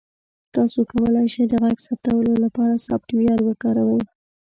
تاسو کولی شئ د غږ ثبتولو لپاره سافټویر وکاروئ.